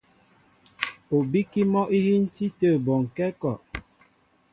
Ú bíkí mɔ́ íhíntí tə̂ bɔnkɛ́ a kɔ.